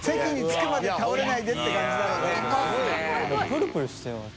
もうプルプルしています。